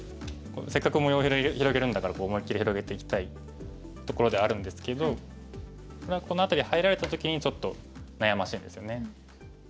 せっかく模様広げるんだから思いっきり広げていきたいところではあるんですけどこれはこの辺り入られた時にちょっと悩ましいんですよね。